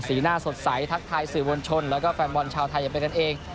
หน้าสดใสทักทายสื่อมวลชนแล้วก็แฟนบอลชาวไทยอย่างเป็นกันเอง